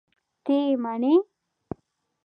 ته یې منې؟!